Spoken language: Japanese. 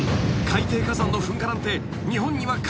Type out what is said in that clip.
海底火山の噴火なんて日本には関係ない］